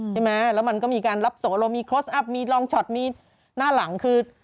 ใช่ไหมแล้วมันก็มีการรับส่งอารมณ์มีโคสอัพมีรองช็อตมีหน้าหลังคือ